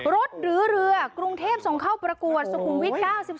หรือเรือกรุงเทพส่งเข้าประกวดสุขุมวิท๙๒